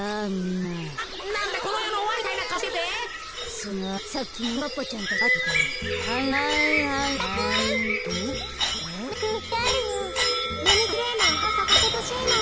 なにかきれいなおはなをさかせてほしいの。